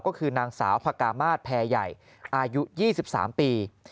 ก็คือนางสาวพระกามาศแพรใหญ่อายุ๒๓ปี